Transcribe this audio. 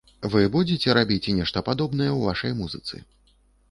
Вы будзеце рабіць нешта падобнае ў вашай музыцы?